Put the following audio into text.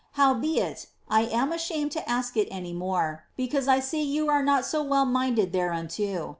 Howbeit, I am ashamed to ask it any more, because I see you are not so well minded thereunto.